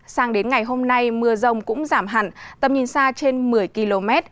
sang đến ngày hôm nay mưa rông cũng giảm hẳn tầm nhìn xa trên một mươi km